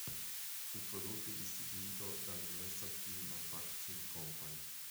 Fu prodotto e distribuito dalla Universal Film Manufacturing Company.